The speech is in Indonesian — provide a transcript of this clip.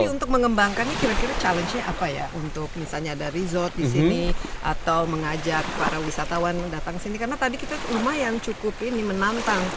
tapi untuk mengembangkannya kira kira challenge nya apa ya untuk misalnya ada resort di sini atau mengajak para wisatawan datang sini karena tadi kita lumayan cukup ini menantang